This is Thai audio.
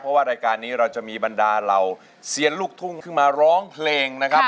เพราะว่ารายการนี้เราจะมีบรรดาเหล่าเซียนลูกทุ่งขึ้นมาร้องเพลงนะครับ